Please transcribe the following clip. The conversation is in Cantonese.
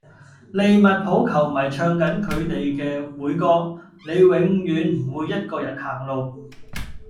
利物浦球迷唱緊佢地既會歌:你永遠唔會一個人行路.